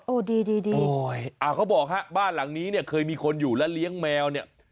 ดีดีโอ้ยอ่าเขาบอกฮะบ้านหลังนี้เนี่ยเคยมีคนอยู่และเลี้ยงแมวเนี่ย